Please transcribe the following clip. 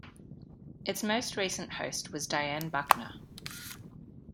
Its most recent host was Dianne Buckner.